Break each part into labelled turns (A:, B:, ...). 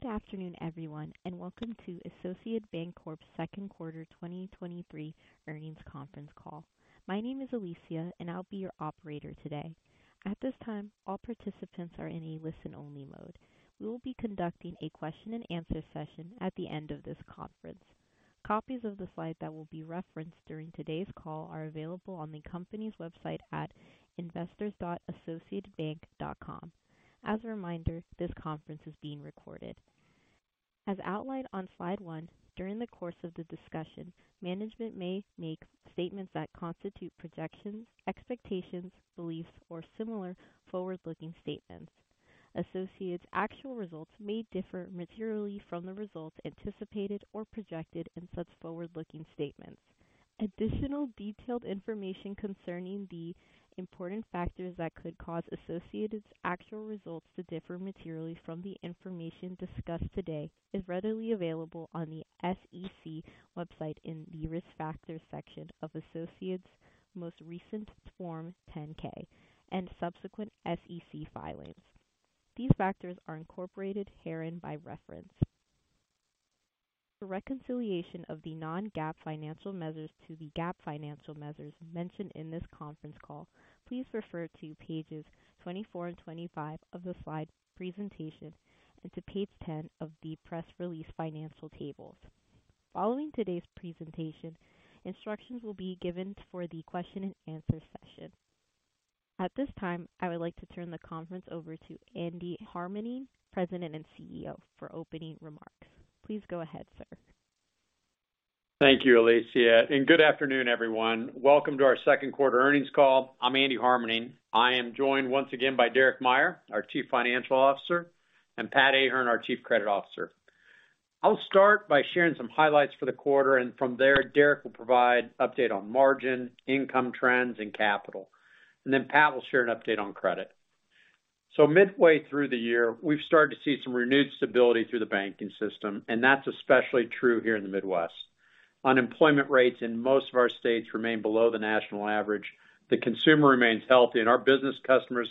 A: Good afternoon, everyone, and welcome to Associated Banc-Corp's 2nd quarter 2023 earnings conference call. My name is Alicia, and I'll be your operator today. At this time, all participants are in a listen-only mode. We will be conducting a question-and-answer session at the end of this conference. Copies of the slide that will be referenced during today's call are available on the company's website at investor.associatedbank.com. As a reminder, this conference is being recorded. As outlined on slide 1, during the course of the discussion, management may make statements that constitute projections, expectations, beliefs, or similar forward-looking statements. Associated's actual results may differ materially from the results anticipated or projected in such forward-looking statements. Additional detailed information concerning the important factors that could cause Associated's actual results to differ materially from the information discussed today is readily available on the SEC website in the Risk Factors section of Associated's most recent Form 10-K and subsequent SEC filings. These factors are incorporated herein by reference. For reconciliation of the non-GAAP financial measures to the GAAP financial measures mentioned in this conference call, please refer to pages 24 and 25 of the slide presentation and to page 10 of the press release financial tables. Following today's presentation, instructions will be given for the question-and-answer session. At this time, I would like to turn the conference over to Andy Harmening, President and CEO, for opening remarks. Please go ahead, sir.
B: Thank you, Alicia. Good afternoon, everyone. Welcome to our second quarter earnings call. I'm Andy Harmening. I am joined once again by Derek Meyer, our Chief Financial Officer, and Pat Ahern, our Chief Credit Officer. I'll start by sharing some highlights for the quarter, and from there, Derek will provide update on margin, income trends, and capital, and then Pat will share an update on credit. Midway through the year, we've started to see some renewed stability through the banking system, and that's especially true here in the Midwest. Unemployment rates in most of our states remain below the national average. The consumer remains healthy, and our business customers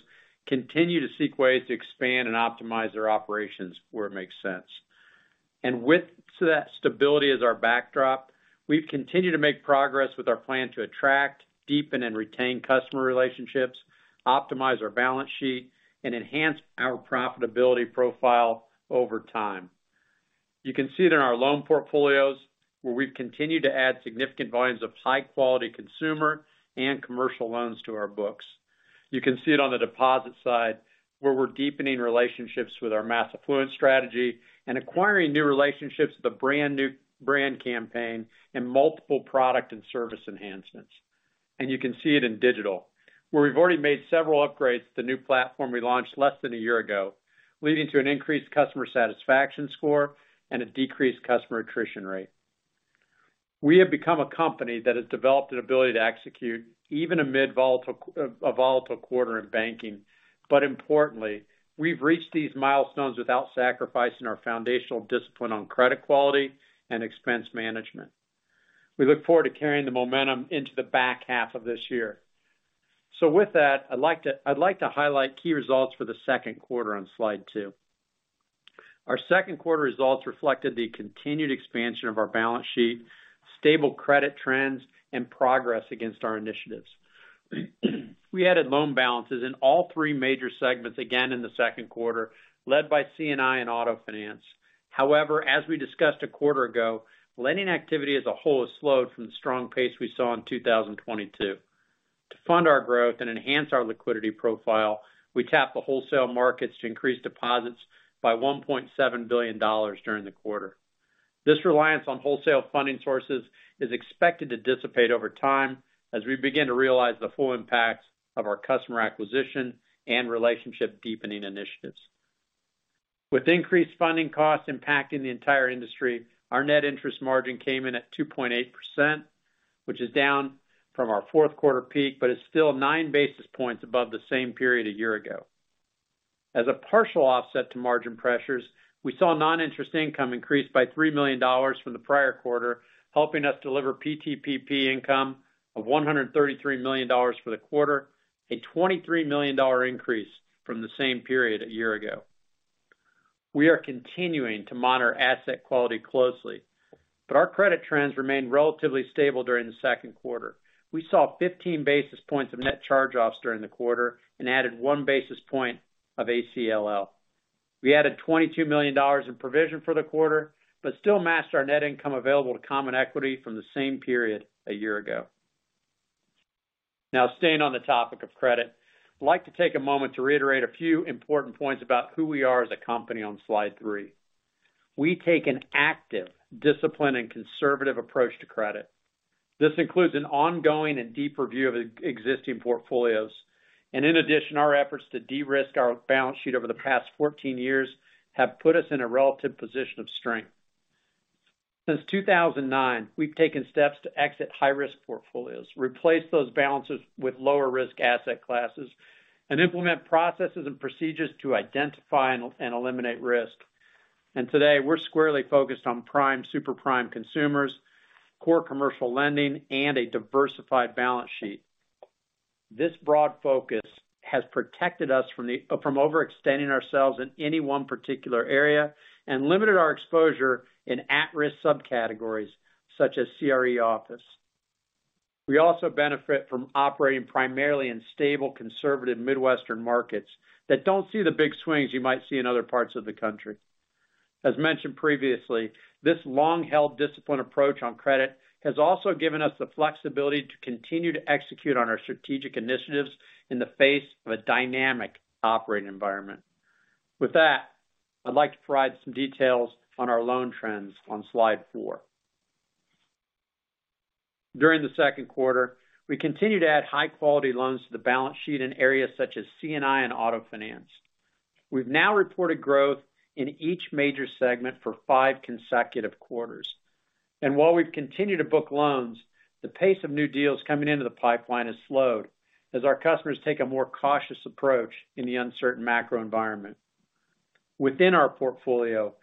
B: continue to seek ways to expand and optimize their operations where it makes sense. With that stability as our backdrop, we've continued to make progress with our plan to attract, deepen, and retain customer relationships, optimize our balance sheet, and enhance our profitability profile over time. You can see it in our loan portfolios, where we've continued to add significant volumes of high-quality consumer and commercial loans to our books. You can see it on the deposit side, where we're deepening relationships with our mass affluent strategy and acquiring new relationships with a brand new brand campaign and multiple product and service enhancements. You can see it in digital, where we've already made several upgrades to the new platform we launched less than a year ago, leading to an increased customer satisfaction score and a decreased customer attrition rate. We have become a company that has developed an ability to execute even amid a volatile quarter in banking. Importantly, we've reached these milestones without sacrificing our foundational discipline on credit quality and expense management. We look forward to carrying the momentum into the back half of this year. With that, I'd like to highlight key results on slide 2. Our Q2 results reflected the continued expansion of our balance sheet, stable credit trends, and progress against our initiatives. We added loan balances in all three major segments again in Q2, led by C&I and Auto Finance. However, as we discussed a quarter ago, lending activity as a whole has slowed from the strong pace we saw in 2022. To fund our growth and enhance our liquidity profile, we tapped the wholesale markets to increase deposits by $1.7 billion during the quarter. This reliance on wholesale funding sources is expected to dissipate over time as we begin to realize the full impacts of our customer acquisition and relationship deepening initiatives. With increased funding costs impacting the entire industry, our net interest margin came in at 2.8%, which is down from our Q4 peak, but it's still 9 basis points above the same period a year ago. As a partial offset to margin pressures, we saw non-interest income increase by $3 million from the prior quarter, helping us deliver PTPP income of $133 million for the quarter, a $23 million increase from the same period a year ago. We are continuing to monitor asset quality closely, Our credit trends remained relatively stable during Q2. We saw 15 basis points of net charge-offs during the quarter and added 1 basis point of ACL. We added $22 million in provision for the quarter, still matched our net income available to common equity from the same period a year ago. Staying on the topic of credit, I'd like to take a moment to reiterate a few important points about who we are as a company on slide 3. We take an active, disciplined, and conservative approach to credit. This includes an ongoing and deeper view of existing portfolios, and in addition, our efforts to de-risk our balance sheet over the past 14 years have put us in a relative position of strength. Since 2009, we've taken steps to exit high-risk portfolios, replace those balances with lower-risk asset classes, and implement processes and procedures to identify and eliminate risk. Today, we're squarely focused on prime, super prime consumers, core commercial lending, and a diversified balance sheet. This broad focus has protected us from overextending ourselves in any one particular area and limited our exposure in at-risk subcategories, such as CRE Office. We also benefit from operating primarily in stable, conservative Midwestern markets that don't see the big swings you might see in other parts of the country. As mentioned previously, this long-held disciplined approach on credit has also given us the flexibility to continue to execute on our strategic initiatives in the face of a dynamic operating environment. With that, I'd like to provide some details on our loan trends on slide 4. During Q2, we continued to add high-quality loans to the balance sheet in areas such as C&I and Auto Finance. We've now reported growth in each major segment for five consecutive quarters. While we've continued to book loans, the pace of new deals coming into the pipeline has slowed as our customers take a more cautious approach in the uncertain macro environment. Within our portfolio,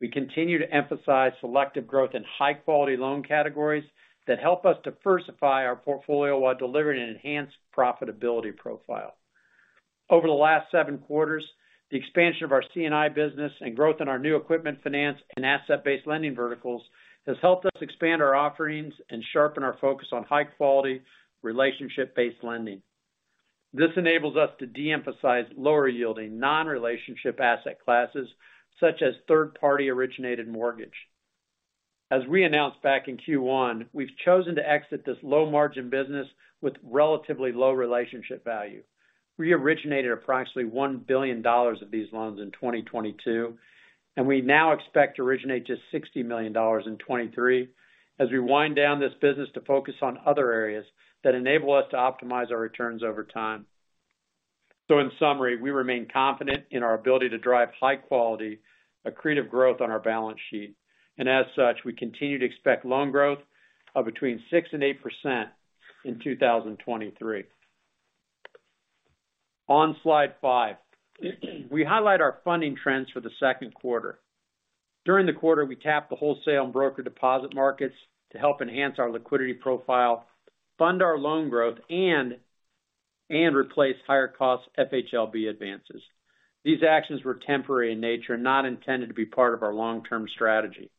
B: we continue to emphasize selective growth in high-quality loan categories that help us diversify our portfolio while delivering an enhanced profitability profile. Over the last seven quarters, the expansion of our C&I business and growth in our new equipment finance and asset-based lending verticals has helped us expand our offerings and sharpen our focus on high-quality, relationship-based lending. This enables us to de-emphasize lower-yielding, non-relationship asset classes, such as third-party originated mortgage. As we announced back in Q1, we've chosen to exit this low-margin business with relatively low relationship value. We originated approximately $1 billion of these loans in 2022. We now expect to originate just $60 million in 2023, as we wind down this business to focus on other areas that enable us to optimize our returns over time. In summary, we remain confident in our ability to drive high quality, accretive growth on our balance sheet, and as such, we continue to expect loan growth of between 6% and 8% in 2023. On Slide 5, we highlight our funding trends for Q2. During the quarter, we tapped the wholesale and broker deposit markets to help enhance our liquidity profile, fund our loan growth, and replace higher-cost FHLB advances. These actions were temporary in nature, not intended to be part of our long-term strategy.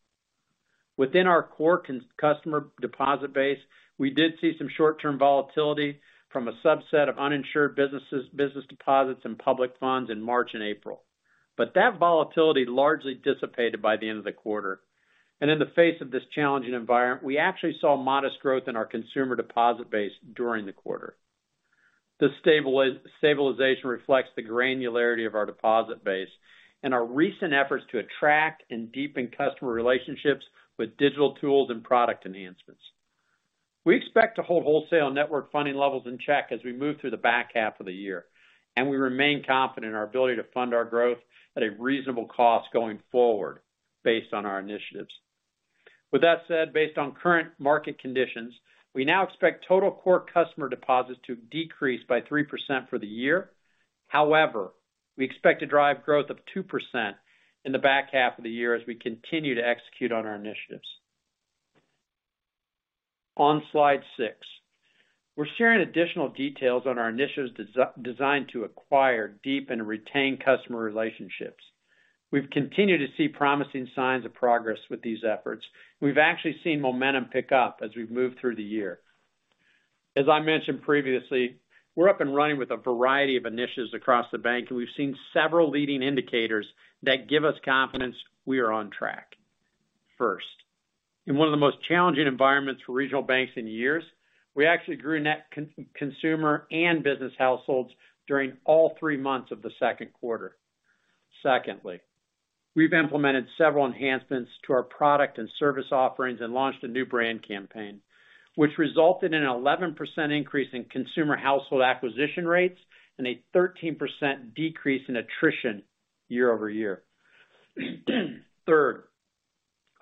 B: Within our core customer deposit base, we did see some short-term volatility from a subset of uninsured businesses, business deposits and public funds in March and April. That volatility largely dissipated by the end of the quarter. In the face of this challenging environment, we actually saw modest growth in our consumer deposit base during the quarter. This stabilization reflects the granularity of our deposit base and our recent efforts to attract and deepen customer relationships with digital tools and product enhancements. We expect to hold wholesale network funding levels in check as we move through the back half of the year, and we remain confident in our ability to fund our growth at a reasonable cost going forward based on our initiatives. With that said, based on current market conditions, we now expect total core customer deposits to decrease by 3% for the year. We expect to drive growth of 2% in the back half of the year as we continue to execute on our initiatives. On slide six, we're sharing additional details on our initiatives designed to acquire, deepen, and retain customer relationships. We've continued to see promising signs of progress with these efforts. We've actually seen momentum pick up as we've moved through the year. As I mentioned previously, we're up and running with a variety of initiatives across the bank, and we've seen several leading indicators that give us confidence we are on track. First, in one of the most challenging environments for regional banks in years, we actually grew net consumer and business households during all three months of Q2. Secondly, we've implemented several enhancements to our product and service offerings and launched a new brand campaign, which resulted in an 11% increase in consumer household acquisition rates and a 13% decrease in attrition year-over-year. Third,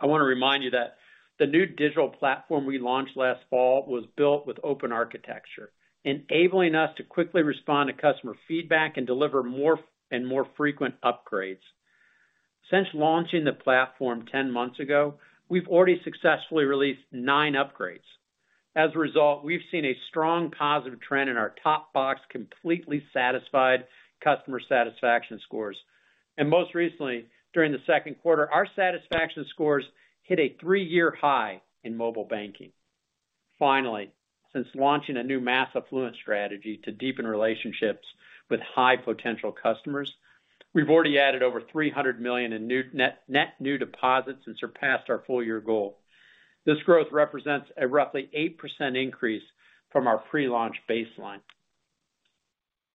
B: I want to remind you that the new digital platform we launched last fall was built with open architecture, enabling us to quickly respond to customer feedback and deliver more and more frequent upgrades. Since launching the platform 10 months ago, we've already successfully released nine upgrades. As a result, we've seen a strong positive trend in our top box, completely satisfied customer satisfaction scores. Most recently, during Q2, our satisfaction scores hit a 3-year high in mobile banking. Finally, since launching a new mass affluent strategy to deepen relationships with high potential customers, we've already added over $300 million in net new deposits and surpassed our full year goal. This growth represents a roughly 8% increase from our pre-launch baseline.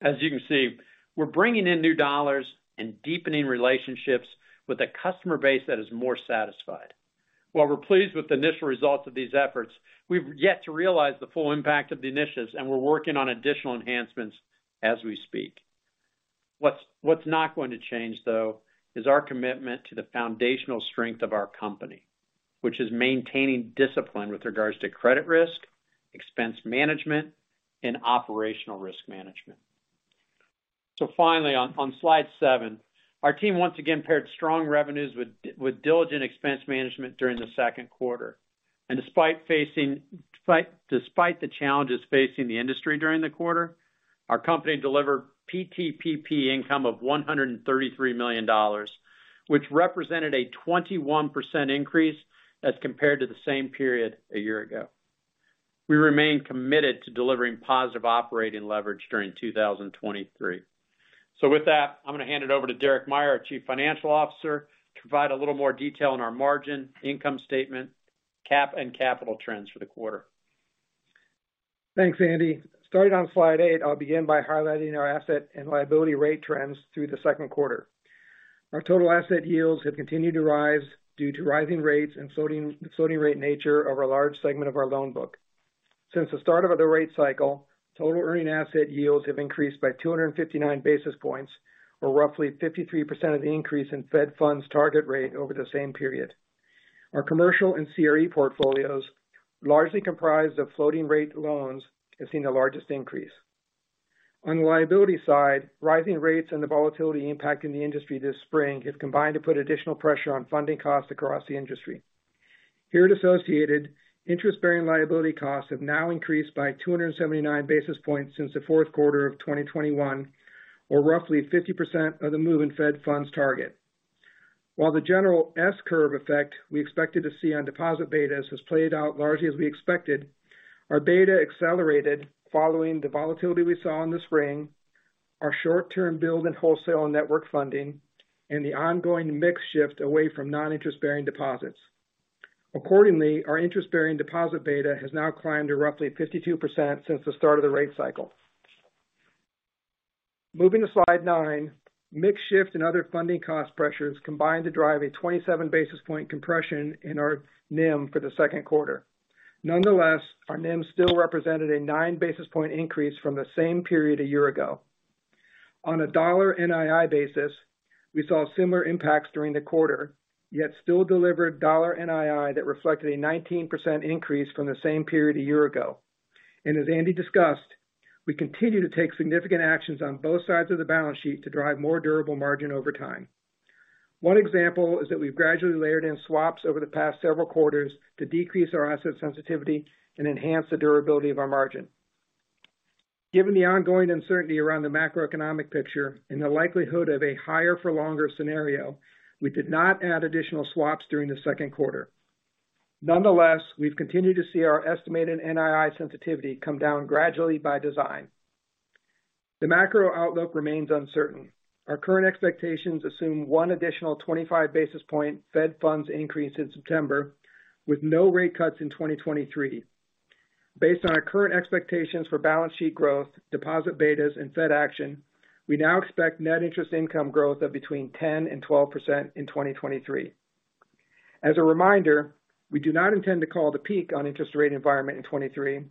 B: As you can see, we're bringing in new dollars and deepening relationships with a customer base that is more satisfied. While we're pleased with the initial results of these efforts, we've yet to realize the full impact of the initiatives, and we're working on additional enhancements as we speak. What's not going to change, though, is our commitment to the foundational strength of our company, which is maintaining discipline with regards to credit risk, expense management, and operational risk management. Finally, on slide 7, our team once again paired strong revenues with diligent expense management during the second quarter. Despite the challenges facing the industry during the quarter, our company delivered PTPP income of $133 million, which represented a 21% increase as compared to the same period a year ago. We remain committed to delivering positive operating leverage during 2023. With that, I'm going to hand it over to Derek Meyer, our Chief Financial Officer, to provide a little more detail on our margin, income statement, cap, and capital trends for the quarter.
C: Thanks, Andy. Starting on slide 8, I'll begin by highlighting our asset and liability rate trends through the second quarter. Our total asset yields have continued to rise due to rising rates and floating rate nature of a large segment of our loan book. Since the start of the rate cycle, total earning asset yields have increased by 259 basis points, or roughly 53% of the increase in Fed Funds' target rate over the same period. Our commercial and CRE portfolios, largely comprised of floating rate loans, have seen the largest increase. On the liability side, rising rates and the volatility impact in the industry this spring have combined to put additional pressure on funding costs across the industry. Here at Associated, interest-bearing liability costs have now increased by 279 basis points since Q4 of 2021, or roughly 50% of the move in Fed Funds target. The general S-curve effect we expected to see on deposit betas has played out largely as we expected, our beta accelerated following the volatility we saw in the spring, our short-term build in wholesale and network funding, and the ongoing mix shift away from non-interest-bearing deposits. Accordingly, our interest-bearing deposit beta has now climbed to roughly 52% since the start of the rate cycle. Moving to slide 9, mix shift and other funding cost pressures combined to drive a 27 basis point compression in our NIM for Q2. Nonetheless, our NIM still represented a 9 basis point increase from the same period a year ago. On a $ NII basis, we saw similar impacts during the quarter, yet still delivered $ NII that reflected a 19% increase from the same period a year ago. As Andy discussed, we continue to take significant actions on both sides of the balance sheet to drive more durable margin over time. One example is that we've gradually layered in swaps over the past several quarters to decrease our asset sensitivity and enhance the durability of our margin. Given the ongoing uncertainty around the macroeconomic picture and the likelihood of a higher for longer scenario, we did not add additional swaps during Q2. Nonetheless, we've continued to see our estimated NII sensitivity come down gradually by design. The macro-outlook remains uncertain. Our current expectations assume 1 additional 25 basis point Fed Funds increase in September, with no rate cuts in 2023. Based on our current expectations for balance sheet growth, deposit betas, and Fed action, we now expect net interest income growth of between 10%-12% in 2023. As a reminder, we do not intend to call the peak on interest rate environment in 2023,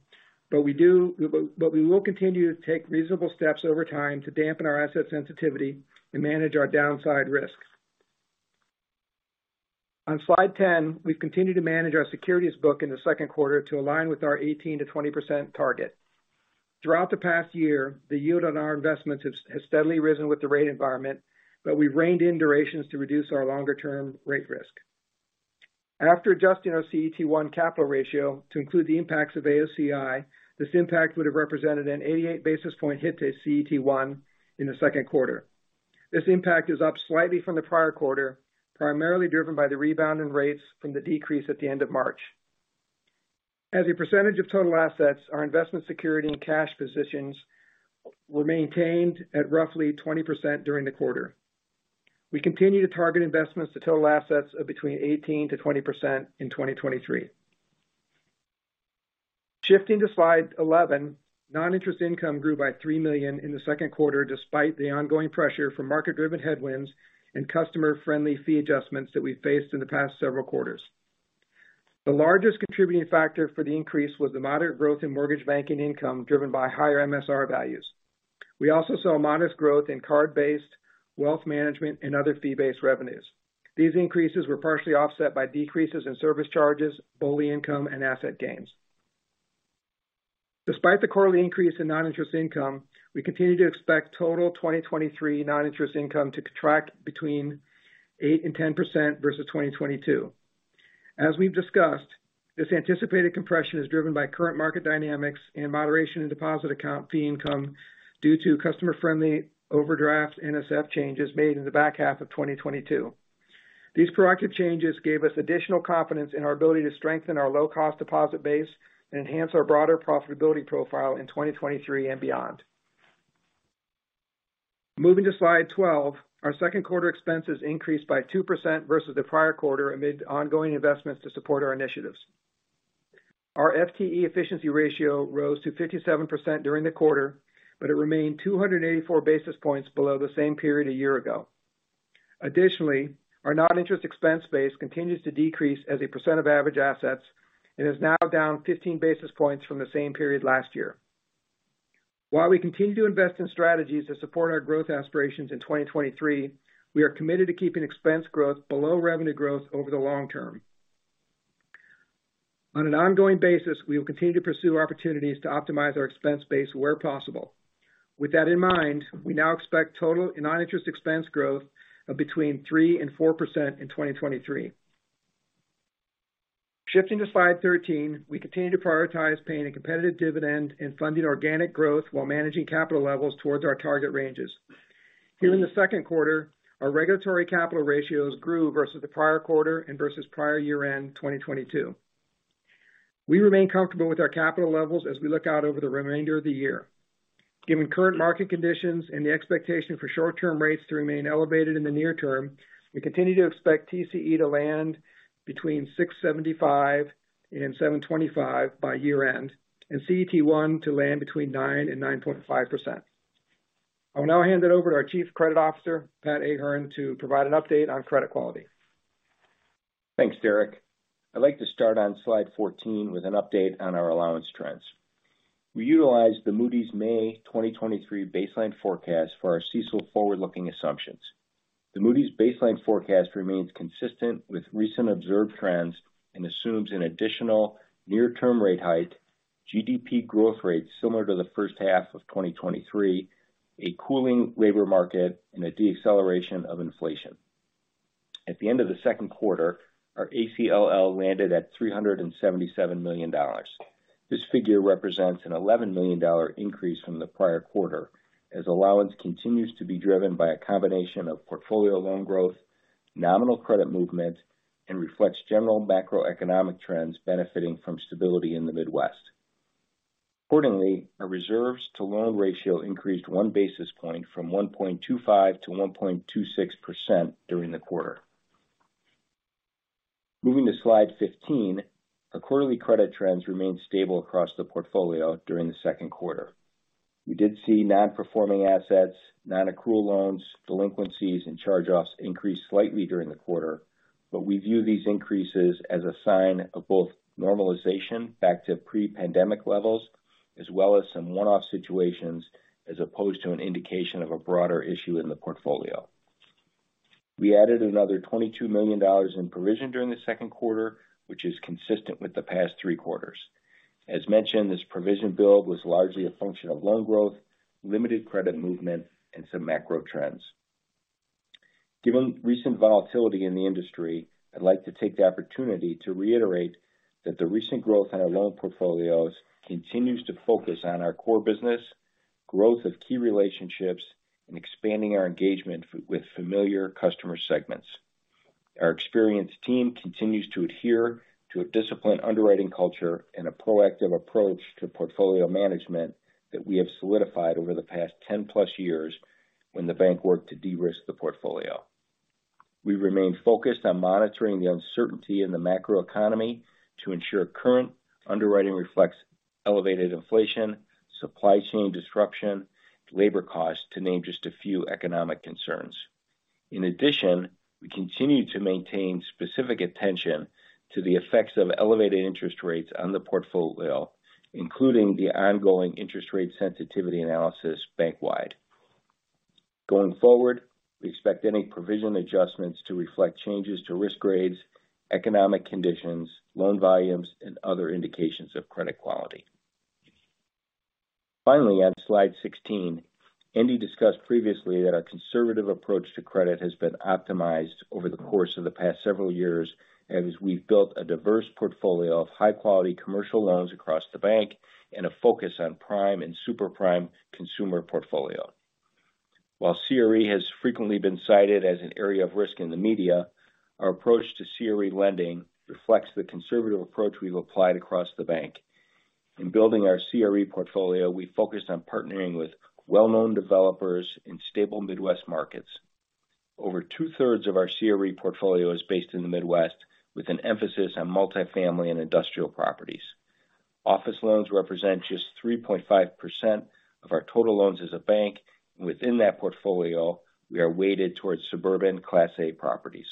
C: but we will continue to take reasonable steps over time to dampen our asset sensitivity and manage our downside risks. On slide 10, we've continued to manage our securities book in Q2 to align with our 18%-20% target. Throughout the past year, the yield on our investments has steadily risen with the rate environment, but we've reined in durations to reduce our longer-term rate risk. After adjusting our CET1 capital ratio to include the impacts of AOCI, this impact would have represented an 88 basis point hit to CET1 in Q2. This impact is up slightly from the prior quarter, primarily driven by the rebound in rates from the decrease at the end of March. As a percentage of total assets, our investment security and cash positions were maintained at roughly 20% during the quarter. We continue to target investments to total assets of between 18%-20% in 2023. Shifting to slide 11, non-interest income grew by $3 million inQ2, despite the ongoing pressure from market-driven headwinds and customer-friendly fee adjustments that we've faced in the past several quarters. The largest contributing factor for the increase was the moderate growth in mortgage banking income driven by higher MSR values. We also saw a modest growth in card-based wealth management and other fee-based revenues. These increases were partially offset by decreases in service charges, BOLI income, and asset gains. Despite the quarterly increase in non-interest income, we continue to expect total 2023 non-interest income to contract between 8%-10% versus 2022. As we've discussed, this anticipated compression is driven by current market dynamics and moderation in deposit account fee income due to customer-friendly overdraft NSF changes made in the back half of 2022. These proactive changes gave us additional confidence in our ability to strengthen our low-cost deposit base and enhance our broader profitability profile in 2023 and beyond. Moving to slide 12, our Q2 expenses increased by 2% versus the prior quarter amid ongoing investments to support our initiatives. Our FTE efficiency ratio rose to 57% during the quarter. It remained 284 basis points below the same period a year ago. Additionally, our non-interest expense base continues to decrease as a % of average assets and is now down 15 basis points from the same period last year. While we continue to invest in strategies to support our growth aspirations in 2023, we are committed to keeping expense growth below revenue growth over the long term. On an ongoing basis, we will continue to pursue opportunities to optimize our expense base where possible. With that in mind, we now expect total non-interest expense growth of between 3% and 4% in 2023. Shifting to slide 13, we continue to prioritize paying a competitive dividend and funding organic growth while managing capital levels towards our target ranges. Here in Q2, our regulatory capital ratios grew versus the prior quarter and versus prior year-end 2022. We remain comfortable with our capital levels as we look out over the remainder of the year. Given current market conditions and the expectation for short-term rates to remain elevated in the near term, we continue to expect TCE to land between 675 and 725 by year-end, and CET1 to land between 9% and 9.5%. I will now hand it over to our Chief Credit Officer, Pat Ahern, to provide an update on credit quality.
D: Thanks, Derek. I'd like to start on slide 14 with an update on our allowance trends. We utilized the Moody's May 2023 baseline forecast for our CECL forward-looking assumptions. The Moody's baseline forecast remains consistent with recent observed trends and assumes an additional near-term rate hike, GDP growth rate similar to the first half of 2023, a cooling labor market, and a deceleration of inflation. At the end of the second quarter, our ACLL landed at $377 million. This figure represents an $11 million increase from the prior quarter, as allowance continues to be driven by a combination of portfolio loan growth, nominal credit movement, and reflects general macroeconomic trends benefiting from stability in the Midwest. Accordingly, our reserves to loan ratio increased 1 basis point from 1.25% to 1.26% during the quarter. Moving to slide 15, our quarterly credit trends remained stable across the portfolio during Q2. We did see non-performing assets, non-accrual loans, delinquencies, and charge-offs increase slightly during the quarter, but we view these increases as a sign of both normalization back to pre-pandemic levels, as well as some one-off situations, as opposed to an indication of a broader issue in the portfolio. We added another $22 million in provision during Q2, which is consistent with the past three quarters. As mentioned, this provision build was largely a function of loan growth, limited credit movement, and some macro trends. Given recent volatility in the industry, I'd like to take the opportunity to reiterate that the recent growth in our loan portfolios continues to focus on our core business, growth of key relationships, and expanding our engagement with familiar customer segments. Our experienced team continues to adhere to a disciplined underwriting culture and a proactive approach to portfolio management that we have solidified over the past 10-plus years when the bank worked to de-risk the portfolio. We remain focused on monitoring the uncertainty in the macroeconomy to ensure current underwriting reflects elevated inflation, supply chain disruption, labor costs, to name just a few economic concerns. In addition, we continue to maintain specific attention to the effects of elevated interest rates on the portfolio, including the ongoing interest rate sensitivity analysis bank-wide. Going forward, we expect any provision adjustments to reflect changes to risk grades, economic conditions, loan volumes, and other indications of credit quality. Finally, on slide 16, Andy discussed previously that our conservative approach to credit has been optimized over the course of the past several years as we've built a diverse portfolio of high-quality commercial loans across the bank and a focus on prime and super prime consumer portfolio. While CRE has frequently been cited as an area of risk in the media, our approach to CRE lending reflects the conservative approach we've applied across the bank. In building our CRE portfolio, we focused on partnering with well-known developers in stable Midwest markets. Over two-thirds of our CRE portfolio is based in the Midwest, with an emphasis on multifamily and industrial properties. Office loans represent just 3.5% of our total loans as a bank. Within that portfolio, we are weighted towards suburban Class A properties.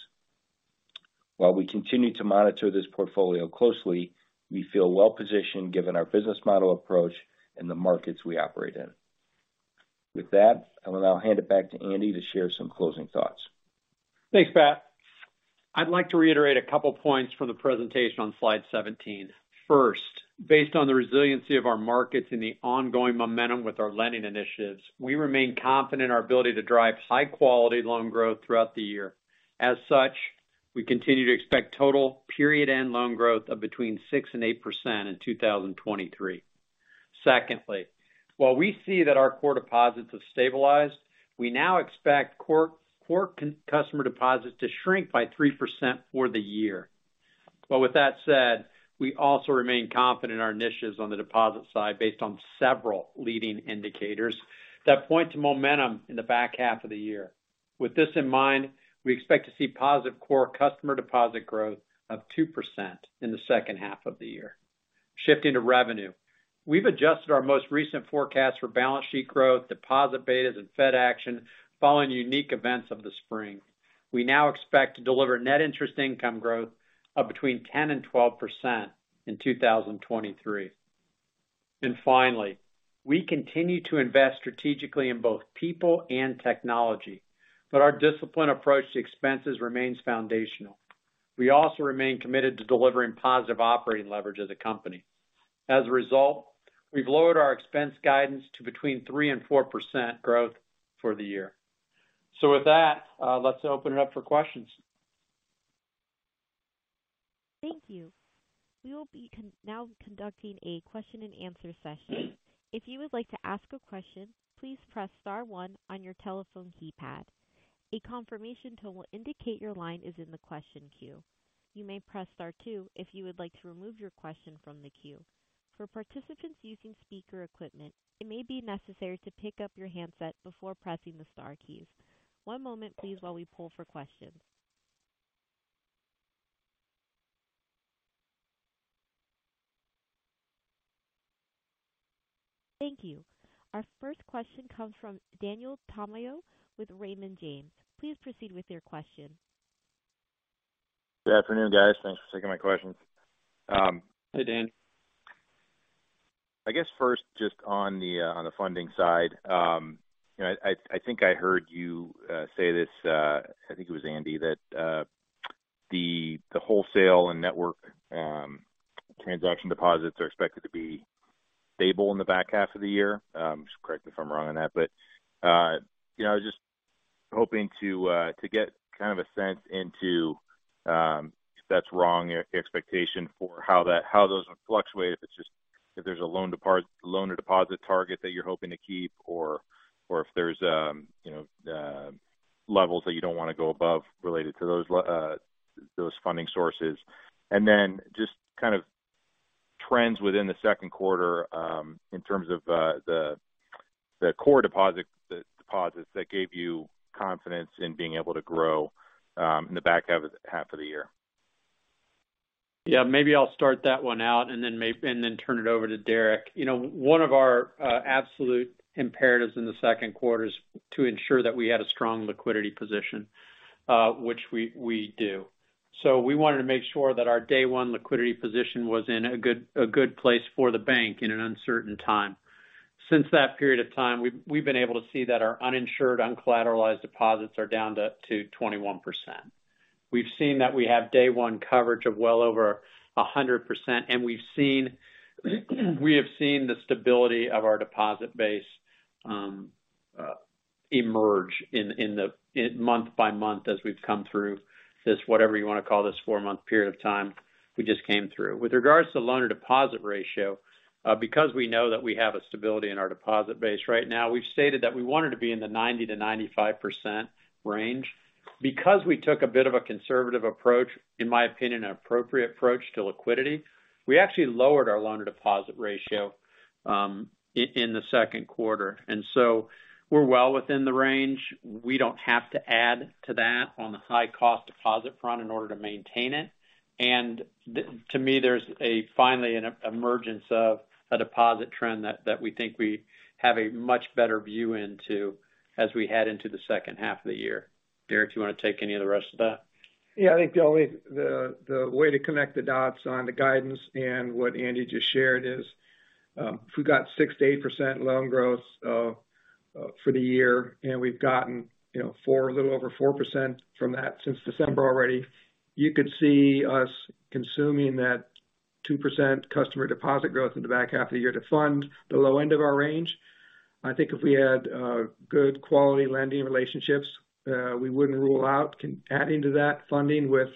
D: While we continue to monitor this portfolio closely, we feel well-positioned given our business model approach and the markets we operate in. With that, I will now hand it back to Andy to share some closing thoughts.
B: Thanks, Pat. I'd like to reiterate a couple points from the presentation on slide 17. First, based on the resiliency of our markets and the ongoing momentum with our lending initiatives, we remain confident in our ability to drive high-quality loan growth throughout the year. As such, we continue to expect total period-end loan growth of between 6% and 8% in 2023. Secondly, while we see that our core deposits have stabilized, we now expect core customer deposits to shrink by 3% for the year. With that said, we also remain confident in our initiatives on the deposit side, based on several leading indicators that point to momentum in the back half of the year. With this in mind, we expect to see positive core customer deposit growth of 2% in the H2. Shifting to revenue. We've adjusted our most recent forecast for balance sheet growth, deposit betas, and Fed action following unique events of the spring. We now expect to deliver net interest income growth of between 10% and 12% in 2023.... Finally, we continue to invest strategically in both people and technology, but our disciplined approach to expenses remains foundational. We also remain committed to delivering positive operating leverage to the company. As a result, we've lowered our expense guidance to between 3% and 4% growth for the year. With that, let's open it up for questions.
A: Thank you. We will now conducting a question- and -answer session. If you would like to ask a question, please press star one on your telephone keypad. A confirmation tone will indicate your line is in the question queue. You may press star two if you would like to remove your question from the queue. For participants using speaker equipment, it may be necessary to pick up your handset before pressing the star keys. One moment, please, while we pull for questions. Thank you. Our first question comes from Daniel Tamayo with Raymond James. Please proceed with your question.
E: Good afternoon, guys. Thanks for taking my questions.
B: Hey, Dan.
E: I guess first, just on the funding side, you know, I think I heard you say this, I think it was Andy, that the wholesale and network transaction deposits are expected to be stable in the back half of the year. Just correct me if I'm wrong on that, but, you know, I was just hoping to get kind of a sense into, if that's wrong, your expectation for how those would fluctuate, If there's a loan or deposit target that you're hoping to keep, or if there's, you know, levels that you don't want to go above related to those funding sources. Just kind of trends within Q2, in terms of, the core deposit, the deposits that gave you confidence in being able to grow, in the back half of the year?
B: Yeah, maybe I'll start that one out and then turn it over to Derek. You know, one of our absolute imperatives in Q2 is to ensure that we had a strong liquidity position, which we do. We wanted to make sure that our day one liquidity position was in a good place for the bank in an uncertain time. Since that period of time, we've been able to see that our uninsured, uncollateralized deposits are down to 21%. We've seen that we have day one coverage of well over 100%, and we have seen the stability of our deposit base emerge month by month as we've come through this, whatever you want to call this four-month period of time we just came through. With regards to loan-to-deposit ratio, because we know that we have a stability in our deposit base right now, we've stated that we wanted to be in the 90% to 95% range. We took a bit of a conservative approach, in my opinion, an appropriate approach to liquidity, we actually lowered our loaner deposit ratio in Q2, we're well within the range. We don't have to add to that on the high cost deposit front in order to maintain it. To me, there's finally an emergence of a deposit trend that we think we have a much better view into as we head into the second half of the year. Derek, do you want to take any of the rest of that?
C: Yeah, I think the only, the way to connect the dots on the guidance and what Andy just shared is, if we've got 6%-8% loan growth for the year, and we've gotten, you know, 4%, a little over 4% from that since December already, you could see us consuming that 2% customer deposit growth in the back half of the year to fund the low end of our range. I think if we had good quality lending relationships, we wouldn't rule out adding to that funding with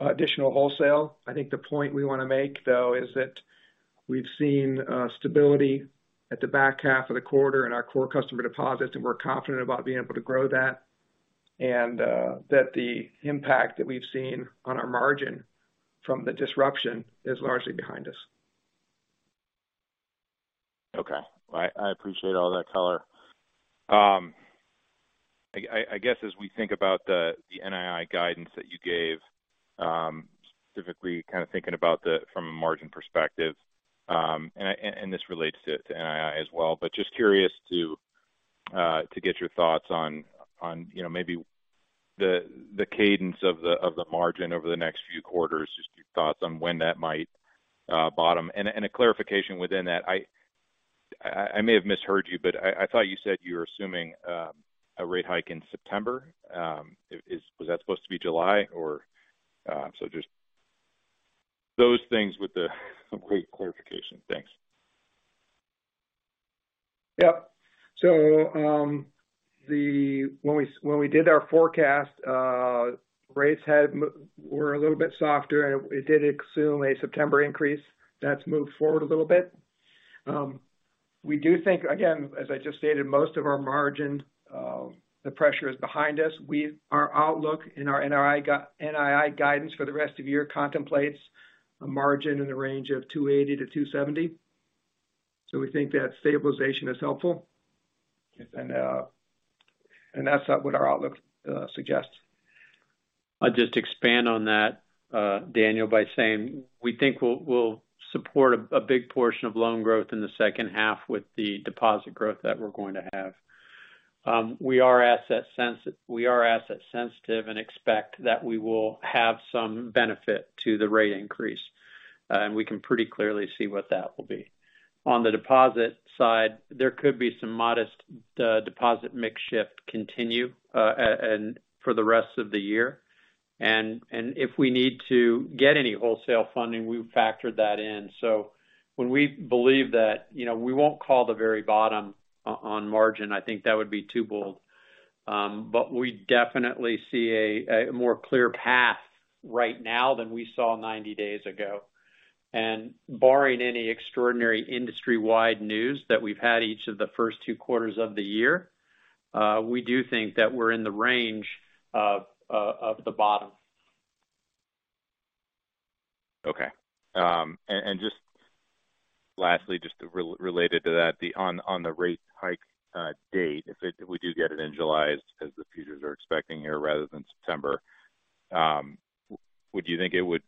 C: additional wholesale. I think the point we want to make, though, is that we've seen stability at the back half of the quarter in our core customer deposits, and we're confident about being able to grow that, and that the impact that we've seen on our margin from the disruption is largely behind us.
E: Okay. I appreciate all that color. I guess, as we think about the NII guidance that you gave, specifically kind of thinking about from a margin perspective, and this relates to NII as well, but just curious to get your thoughts on, you know, maybe the cadence of the margin over the next few quarters, just your thoughts on when that might bottom. A clarification within that. I may have misheard you, but I thought you said you were assuming a rate hike in September. Was that supposed to be July or, so just those things with the clarification. Thanks.
C: Yep. When we, when we did our forecast, rates had were a little bit softer, and it did assume a September increase. That's moved forward a little bit. We do think, again, as I just stated, most of our margin, the pressure is behind us. Our outlook and our NII guidance for the rest of the year contemplates a margin in the range of 2.80%-2.70%. We think that stabilization is helpful. That's what our outlook suggests.
B: I'll just expand on that, Daniel, by saying we think we'll support a big portion of loan growth in the second half with the deposit growth that we're going to have. We are asset sensitive and expect that we will have some benefit to the rate increase. We can pretty clearly see what that will be. On the deposit side, there could be some modest deposit mix -shift continue for the rest of the year. If we need to get any wholesale funding, we've factored that in. When we believe that, you know, we won't call the very bottom on margin, I think that would be too bold. We definitely see a more clear path right now than we saw 90 days ago. Barring any extraordinary industry-wide news that we've had each of the first two quarters of the year, we do think that we're in the range of the bottom.
E: Just lastly, related to that, the on the rate hike date, if we do get it in July, as the futures are expecting here, rather than September, would you think it would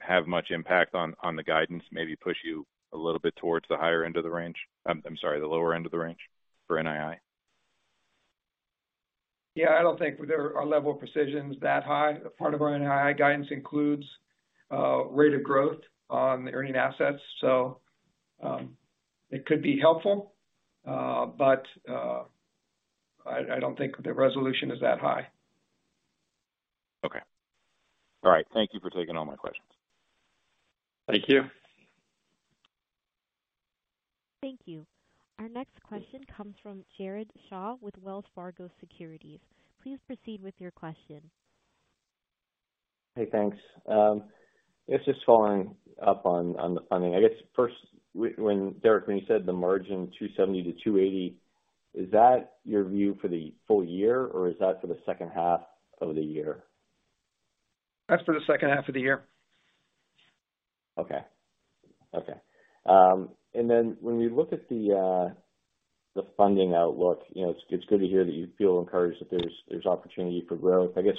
E: have much impact on the guidance, maybe push you a little bit towards the higher end of the range? I'm sorry, the lower end of the range for NII?
C: Yeah, I don't think our level of precision is that high. Part of our NII guidance includes rate of growth on the earning assets. It could be helpful, but I don't think the resolution is that high.
E: Okay. All right. Thank you for taking all my questions.
B: Thank you.
A: Thank you. Our next question comes from Jared Shaw with Wells Fargo Securities. Please proceed with your question.
F: Hey, thanks. It's just following up on the funding. I guess first, Derek, when you said the margin 2.70% to 2.80%, is that your view for the full year, or is that for the second half of the year?
C: That's for the second half of the year.
F: Okay. Okay. Then when we look at the funding outlook, you know, it's good to hear that you feel encouraged that there's opportunity for growth. I guess,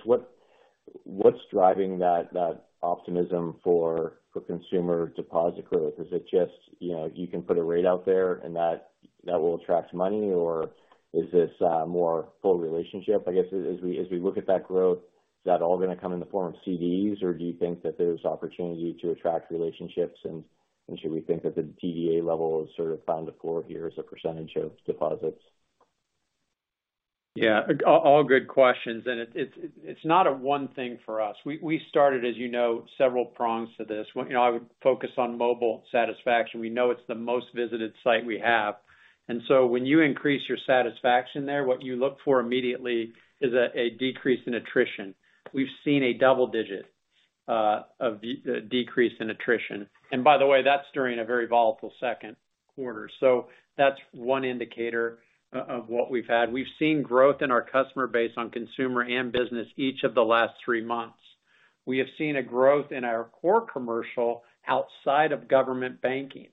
F: what's driving that optimism for consumer deposit growth? Is it just, you know, you can put a rate out there, and that will attract money, or is this more full relationship? I guess, as we look at that growth, is that all going to come in the form of CDs, or do you think that there's opportunity to attract relationships? Should we think that the DDA level is sort of found a floor here as a percentage of deposits?
B: Yeah, all good questions, it's not a one thing for us. We started, as you know, several prongs to this. One, you know, I would focus on mobile satisfaction. We know it's the most visited site we have. When you increase your satisfaction there, what you look for immediately is a decrease in attrition. We've seen a double digit decrease in attrition. By the way, that's during a very volatile second quarter. That's one indicator of what we've had. We've seen growth in our customer base on consumer and business each of the last three months. We have seen a growth in our core commercial outside of government banking.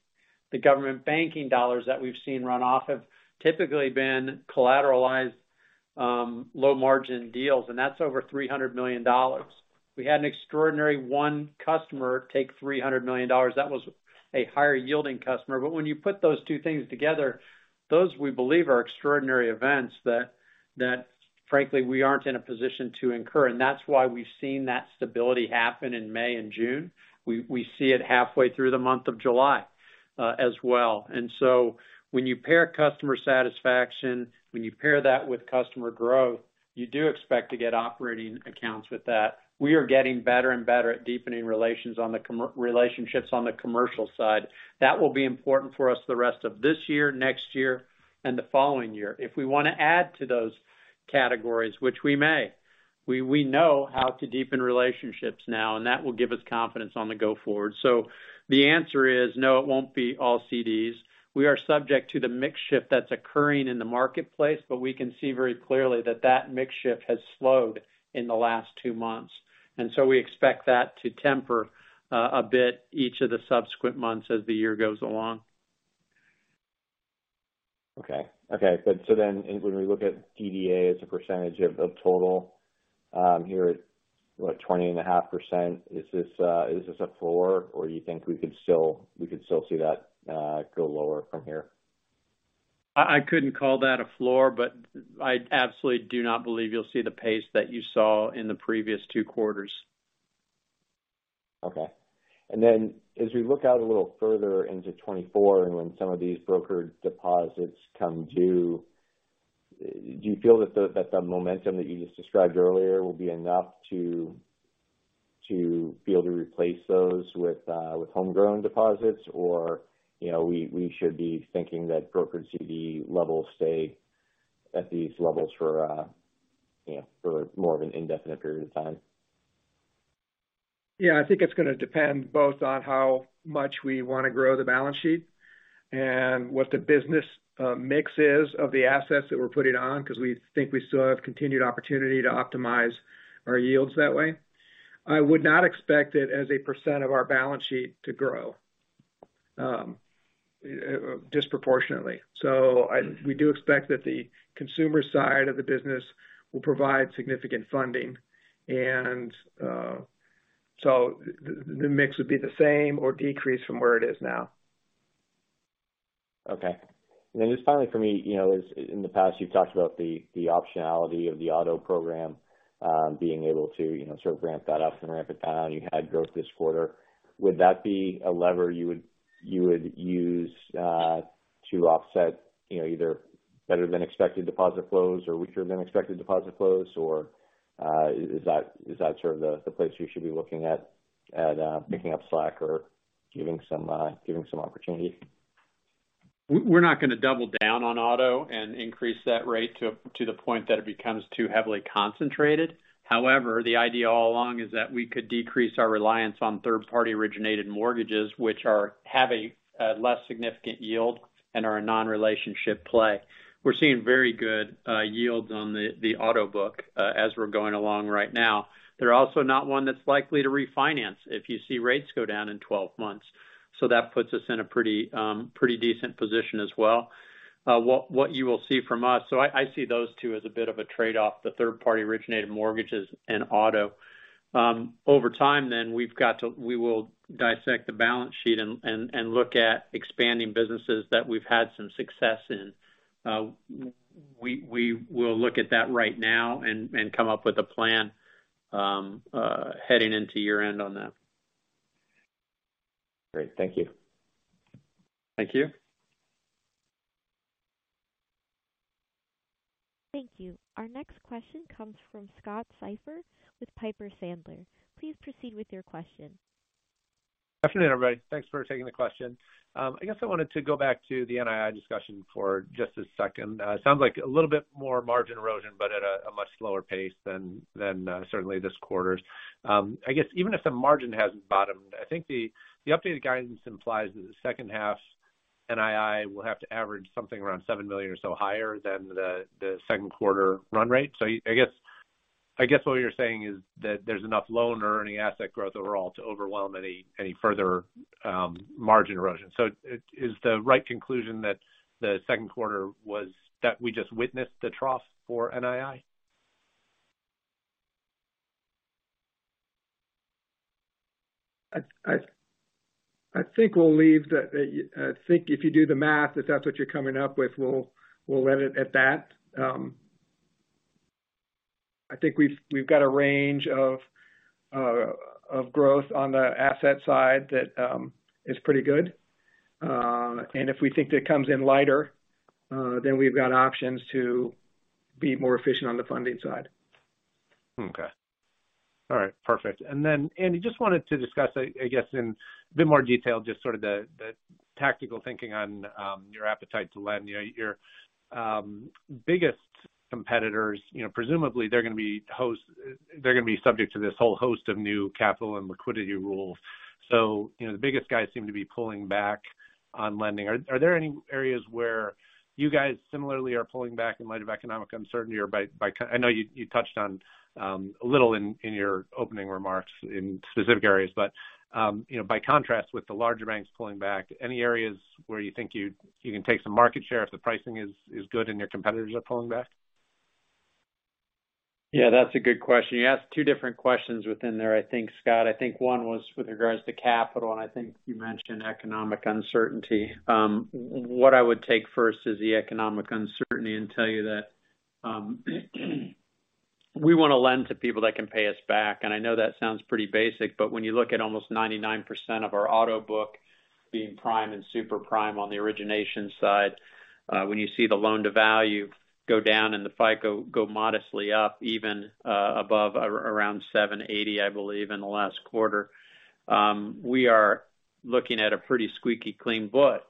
B: The government banking dollars that we've seen run off have typically been collateralized, low margin deals, that's over $300 million. We had an extraordinary one customer take $300 million. That was a higher-yielding customer. When you put those two things together, those we believe are extraordinary events that frankly, we aren't in a position to incur. That's why we've seen that stability happen in May and June. We see it halfway through the month of July as well. When you pair customer satisfaction, when you pair that with customer growth, you do expect to get operating accounts with that. We are getting better and better at deepening relationships on the commercial side. That will be important for us the rest of this year, next year, and the following year. If we want to add to those categories, which we may, we know how to deepen relationships now. That will give us confidence on the go forward. The answer is, no, it won't be all CDs. We are subject to the mix shift that's occurring in the marketplace. We can see very clearly that that mix shift has slowed in the last two months. We expect that to temper a bit each of the subsequent months as the year goes along.
F: Okay. Okay. When we look at DDA as a percentage of total, here at, what? 20.5%, is this a floor, or you think we could still see that go lower from here?
B: I couldn't call that a floor, but I absolutely do not believe you'll see the pace that you saw in the previous 2 quarters.
F: As we look out a little further into 2024 and when some of these brokered deposits come due, do you feel that the momentum that you just described earlier will be enough to be able to replace those with homegrown deposits? Or, you know, we should be thinking that brokered CD levels stay at these levels for, you know, for more of an indefinite period of time?
C: Yeah, I think it's going to depend both on how much we want to grow the balance sheet and what the business mix is of the assets that we're putting on, because we think we still have continued opportunity to optimize our yields that way. I would not expect it as a % of our balance sheet to grow disproportionately. We do expect that the consumer side of the business will provide significant funding. The mix would be the same or decrease from where it is now.
F: Okay. Just finally, for me, you know, as in the past, you've talked about the optionality of the auto program, being able to, you know, sort of ramp that up and ramp it down. You had growth this quarter. Would that be a lever you would use, to offset, you know, either better than expected deposit flows or weaker than expected deposit flows? Is that sort of the place you should be looking at picking up slack or giving some opportunity?
B: We're not going to double down on auto and increase that rate to the point that it becomes too heavily concentrated. The idea all along is that we could decrease our reliance on third-party originated mortgages, which have a less significant yield and are a non-relationship play. We're seeing very good yields on the auto book as we're going along right now. They're also not one that's likely to refinance if you see rates go down in 12 months. That puts us in a pretty decent position as well. What you will see from us. I see those two as a bit of a trade-off, the third-party originated mortgages and auto. Over time, then, we will dissect the balance sheet and look at expanding businesses that we've had some success in. We will look at that right now and come up with a plan heading into year-end on that.
F: Great. Thank you.
B: Thank you.
A: Thank you. Our next question comes from Scott Siefers with Piper Sandler. Please proceed with your question.
G: Good afternoon, everybody. Thanks for taking the question. I guess I wanted to go back to the NII discussion for just a second. It sounds like a little bit more margin erosion, but at a much slower pace than certainly this quarter's. I guess even if the margin hasn't bottomed, I think the updated guidance implies that the second half NII will have to average something around $7 million or so higher than Q2 run rate. I guess what you're saying is that there's enough loan or earning asset growth overall to overwhelm any further margin erosion. Is the right conclusion that Q2 that we just witnessed the trough for NII?
C: I think we'll leave the... I think if you do the math, if that's what you're coming up with, we'll leave it at that. I think we've got a range of growth on the asset side that is pretty good. If we think that it comes in lighter, then we've got options to be more efficient on the funding side.
G: Okay. All right. Perfect. Then, Andy, just wanted to discuss, I guess, in a bit more detail, just sort of the tactical thinking on your appetite to lend. You know, your biggest competitors, you know, presumably, they're going to be subject to this whole host of new capital and liquidity rules. You know, the biggest guys seem to be pulling back on lending. Are there any areas where you guys similarly are pulling back in light of economic uncertainty or by... I know you touched on a little in your opening remarks in specific areas, but, you know, by contrast, with the larger banks pulling back, any areas where you think you can take some market share if the pricing is good and your competitors are pulling back?
B: Yeah, that's a good question. You asked two different questions within there, I think, Scott. I think one was with regards to capital. I think you mentioned economic uncertainty. What I would take first is the economic uncertainty and tell you that we want to lend to people that can pay us back. I know that sounds pretty basic, but when you look at almost 99% of our auto book being prime and super prime on the origination side, when you see the loan-to-value go down and the FICO go modestly up, even, above around 780, I believe, in the last quarter, we are looking at a pretty squeaky clean book.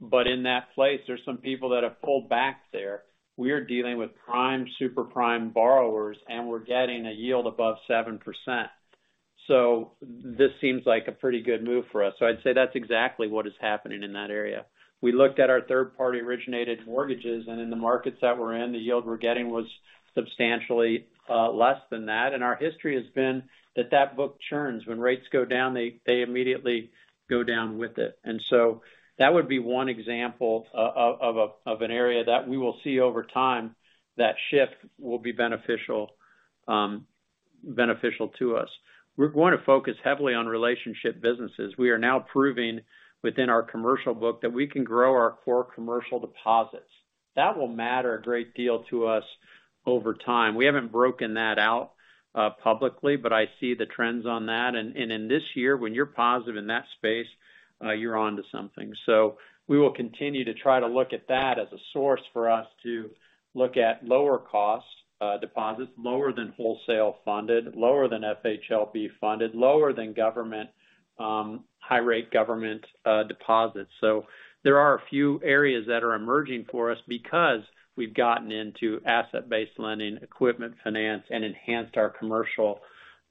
B: In that place, there's some people that have pulled back there. We're dealing with prime, super prime borrowers, and we're getting a yield above 7%. This seems like a pretty good move for us. I'd say that's exactly what is happening in that area. We looked at our third-party originated mortgages, and in the markets that we're in, the yield we're getting was substantially less than that. Our history has been that that book churns. When rates go down, they immediately go down with it. That would be one example of an area that we will see over time, that shift will be beneficial to us. We're going to focus heavily on relationship businesses. We are now proving within our commercial book that we can grow our core commercial deposits. That will matter a great deal to us over time. We haven't broken that out publicly, but I see the trends on that. In this year, when you're positive in that space, you're onto something. We will continue to try to look at that as a source for us to look at lower costs, deposits, lower than wholesale funded, lower than FHLB funded, lower than government, high-rate government, deposits. There are a few areas that are emerging for us because we've gotten into asset-based lending, equipment finance, and enhanced our commercial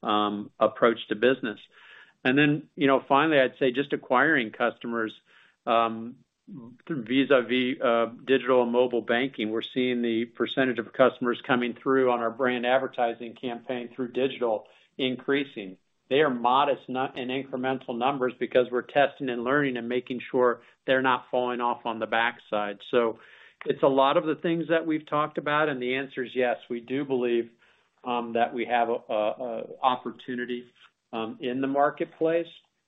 B: approach to business. You know, finally, I'd say just acquiring customers, vis-à-vis, digital and mobile banking. We're seeing the percentage of customers coming through on our brand advertising campaign through digital increasing. They are modest in incremental numbers because we're testing and learning and making sure they're not falling off on the backside. It's a lot of the things that we've talked about, and the answer is yes, we do believe that we have a opportunity in the marketplace.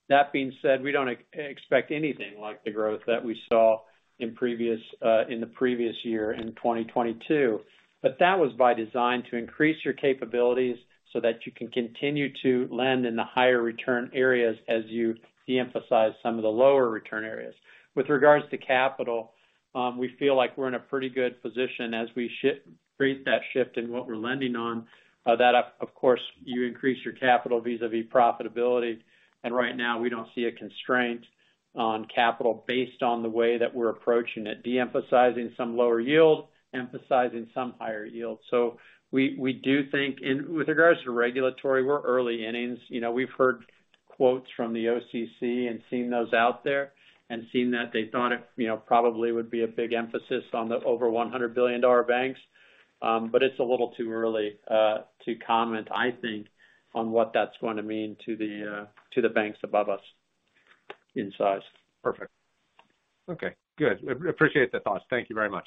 B: That being said, we don't expect anything like the growth that we saw in previous in the previous year, in 2022. That was by design, to increase your capabilities so that you can continue to lend in the higher return areas as you de-emphasize some of the lower return areas. With regards to capital, we feel like we're in a pretty good position as we create that shift in what we're lending on. That, of course, you increase your capital vis-à-vis profitability, and right now, we don't see a constraint on capital based on the way that we're approaching it, de-emphasizing some lower yield, emphasizing some higher yield. We do think with regards to regulatory, we're early innings. You know, we've heard quotes from the OCC and seen those out there and seen that they thought it, you know, probably would be a big emphasis on the over $100 billion banks. It's a little too early to comment, I think, on what that's going to mean to the banks above us in size.
G: Perfect. Okay, good. We appreciate the thoughts. Thank you very much.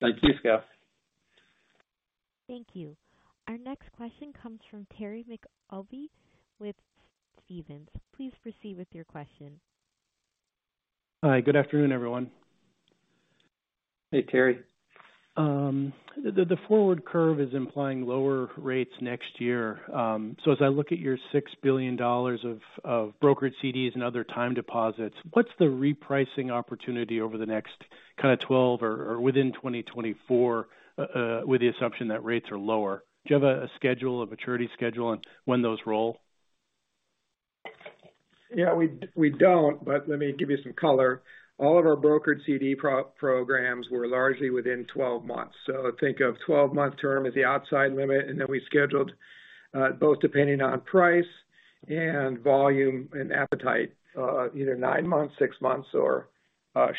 B: Thank you, Scott.
A: Thank you. Our next question comes from Terry McEvoy with Stephens. Please proceed with your question.
H: Hi, good afternoon, everyone.
B: Hey, Terry.
H: The forward curve is implying lower rates next year. As I look at your $6 billion of brokered CDs and other time deposits, what's the repricing opportunity over the next kind of 12 or within 2024, with the assumption that rates are lower? Do you have a schedule, a maturity schedule on when those roll?
C: Yeah, we don't but let me give you some color. All of our brokered CD programs were largely within 12 months. Think of 12-month term as the outside limit, and then we scheduled, both depending on price and volume and appetite, either 9 months, 6 months, or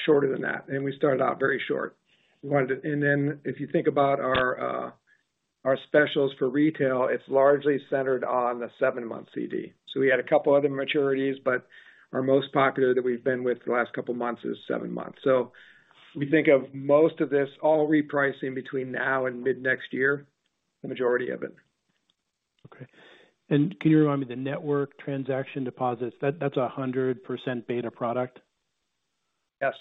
C: shorter than that, and we started out very short. We wanted to, and then if you think about our specials for retail, it's largely centered on the 7-month CD. We had a couple other maturities, but our most popular that we've been with for the last couple of months is 7 months. We think of most of this all repricing between now and mid-next year, the majority of it.
H: Okay. Can you remind me, the network transaction deposits, that's a 100% beta product?
C: Yes.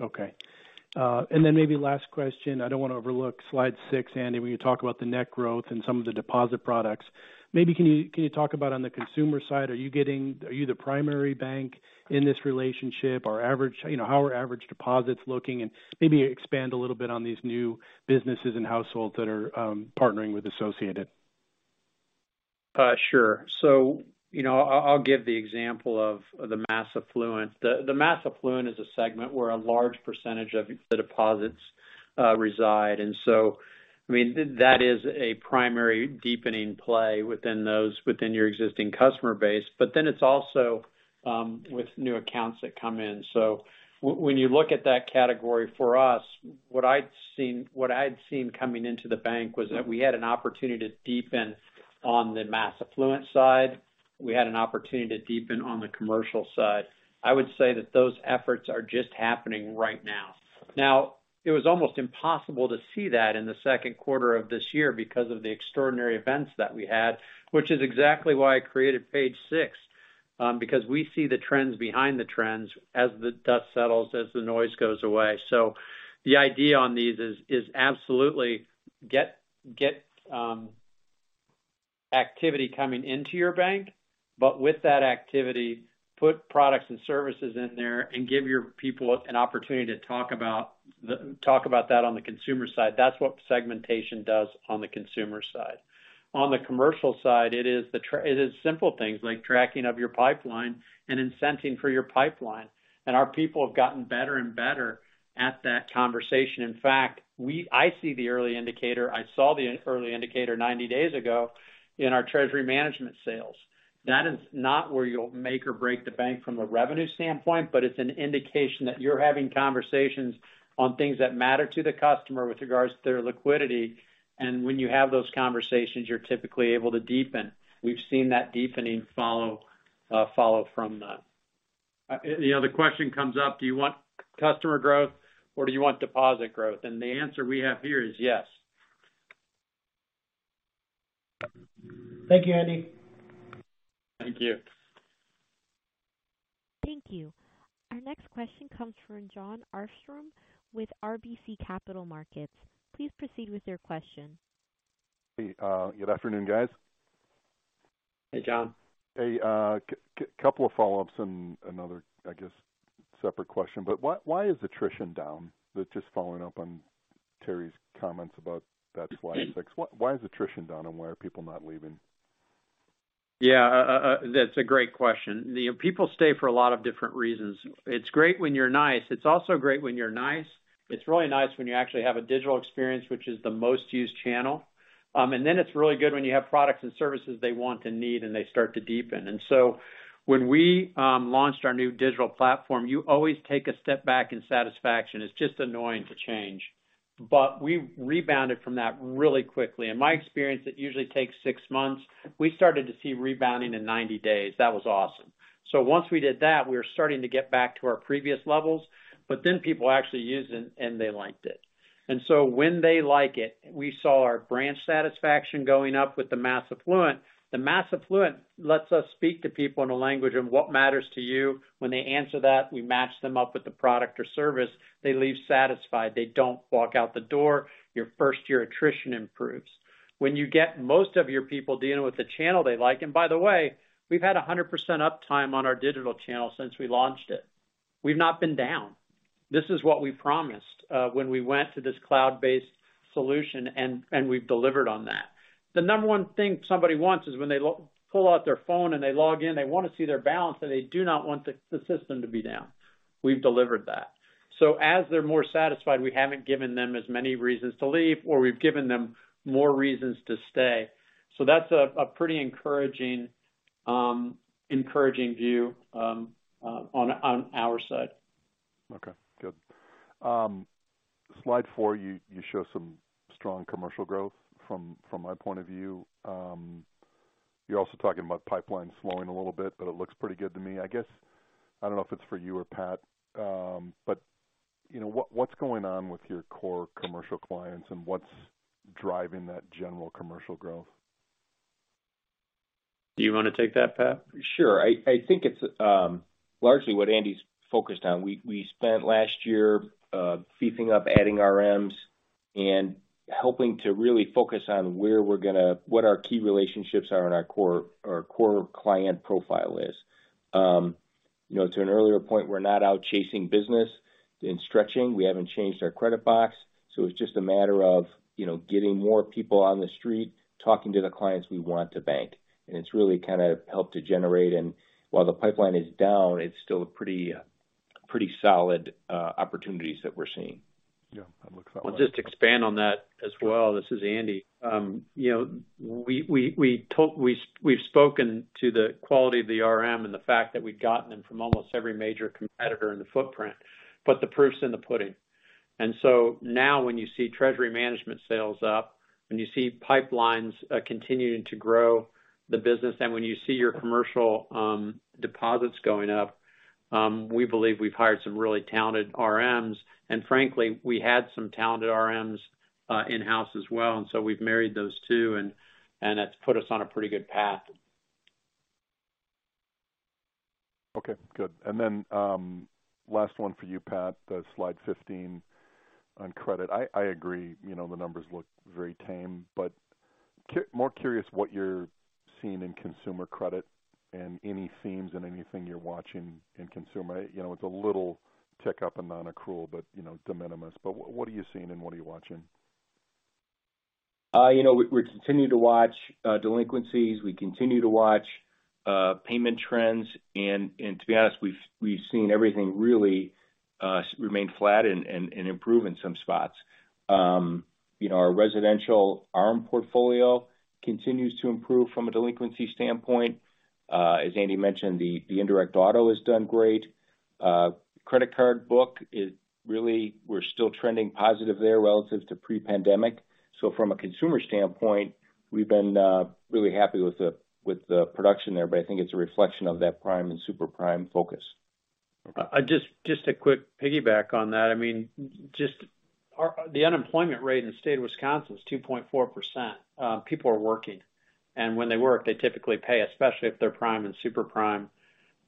H: Okay. Maybe last question. I don't want to overlook slide 6, Andy, when you talk about the net growth and some of the deposit products. Maybe, can you talk about on the consumer side, are you the primary bank in this relationship? You know, how are average deposits looking? Maybe expand a little bit on these new businesses and households that are partnering with Associated.
B: Sure. You know, I'll give the example of the mass affluent. The mass affluent is a segment where a large percentage of the deposits reside. I mean, that is a primary deepening play within your existing customer base. It's also with new accounts that come in. When you look at that category, for us, what I'd seen coming into the bank was that we had an opportunity to deepen on the mass affluent side. We had an opportunity to deepen on the commercial side. I would say that those efforts are just happening right now. It was almost impossible to see that in the second quarter of this year because of the extraordinary events that we had, which is exactly why I created page six, because we see the trends behind the trends as the dust settles, as the noise goes away. The idea on these is absolutely get activity coming into your bank, but with that activity, put products and services in there and give your people an opportunity to talk about that on the consumer side. That's what segmentation does on the consumer side. On the commercial side, it is simple things like tracking of your pipeline and incenting for your pipeline, and our people have gotten better and better at that conversation. In fact, I see the early indicator. I saw the early indicator 90 days ago in our treasury management sales. That is not where you'll make or break the bank from a revenue standpoint, but it's an indication that you're having conversations on things that matter to the customer with regards to their liquidity, and when you have those conversations, you're typically able to deepen. We've seen that deepening follow from that. You know, the question comes up: Do you want customer growth or do you want deposit growth? The answer we have here is yes.
H: Thank you, Andy.
B: Thank you.
A: Thank you. Our next question comes from Jon Arfstrom with RBC Capital Markets. Please proceed with your question.
I: Hey, good afternoon, guys.
B: Hey, Jon.
I: Hey, couple of follow-ups and another, I guess, separate question. Why is attrition down? Just following up on Terry's comments about that slide 6. Why is attrition down, and why are people not leaving?
B: Yeah, that's a great question. People stay for a lot of different reasons. It's great when you're nice. It's also great when you're nice. It's really nice when you actually have a digital experience, which is the most used channel. Then it's really good when you have products and services they want and need, and they start to deepen. When we, launched our new digital platform, you always take a step back in satisfaction. It's just annoying to change. We rebounded from that really quickly. In my experience, it usually takes six months. We started to see rebounding in 90 days. That was awesome. Once we did that, we were starting to get back to our previous levels, but then people actually used it, and they liked it. When they like it, we saw our branch satisfaction going up with the mass affluent. The mass affluent lets us speak to people in a language of what matters to you. When they answer that, we match them up with the product or service, they leave satisfied. They don't walk out the door. Your first-year attrition improves. When you get most of your people dealing with the channel they like, and by the way, we've had 100% uptime on our digital channel since we launched it. We've not been down. This is what we promised when we went to this cloud-based solution, and we've delivered on that. The number one thing somebody wants is when they pull out their phone and they log in, they want to see their balance, and they do not want the system to be down. We've delivered that. As they're more satisfied, we haven't given them as many reasons to leave, or we've given them more reasons to stay. That's a pretty encouraging view, on our side.
I: Okay, good. slide four, you show some strong commercial growth from my point of view. You're also talking about pipeline slowing a little bit, but it looks pretty good to me. I guess, I don't know if it's for you or Pat, but, you know, what's going on with your core commercial clients, and what's driving that general commercial growth?
B: Do you want to take that, Pat?
D: Sure. I think it's largely what Andy's focused on. We spent last year beefing up, adding RMs and helping to really focus on where our key relationships are and our core client profile is. You know, to an earlier point, we're not out chasing business and stretching. We haven't changed our credit box, so it's just a matter of, you know, getting more people on the street, talking to the clients we want to bank. It's really kind of helped to generate... While the pipeline is down, it's still a pretty solid opportunities that we're seeing.
I: Yeah, that looks about right.
B: I'll just expand on that as well. This is Andy. You know, we've spoken to the quality of the RM and the fact that we've gotten them from almost every major competitor in the footprint, but the proof's in the pudding. Now, when you see treasury management sales up, when you see pipelines, continuing to grow the business, and when you see your commercial deposits going up, we believe we've hired some really talented RMs. Frankly, we had some talented RMs in-house as well, and so we've married those two, and that's put us on a pretty good path.
I: Okay, good. Then, last one for you, Pat. The slide 15 on credit. I agree, you know, the numbers look very tame, but more curious what you're seeing in consumer credit and any themes and anything you're watching in consumer. You know, it's a little tick up in nonaccrual, but, you know, de minimis. What are you seeing, and what are you watching?
D: You know, we're continuing to watch delinquencies. We continue to watch payment trends, and to be honest, we've seen everything really remain flat and improve in some spots. You know, our residential RM portfolio continues to improve from a delinquency standpoint. As Andy mentioned, the indirect auto has done great. Credit card book we're still trending positive there relative to pre-pandemic. From a consumer standpoint, we've been really happy with the production there, but I think it's a reflection of that prime and super prime focus.
B: Just a quick piggyback on that. I mean, the unemployment rate in the state of Wisconsin is 2.4%. People are working, and when they work, they typically pay, especially if they're prime and super prime